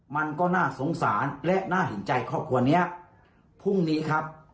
มันก็น่าสงสารและน่าเห็นใจครอบครัวเนี้ยพรุ่งนี้ครับ